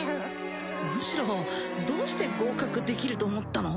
むしろどうして合格できると思ったの？